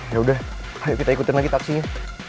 yaudah ayo kita ikutin lagi taksinya